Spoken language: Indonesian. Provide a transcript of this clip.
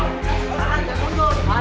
dan yang penting teman teman